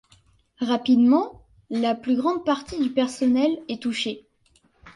Rapidement la plus grande partie du personnel est touchée.